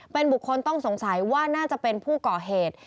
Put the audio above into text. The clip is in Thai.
เป็นบุคคลต้องสงสัยว่าน่าจะเป็นผู้ก่อเหตุ